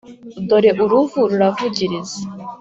dore uruvu ruravugiriza,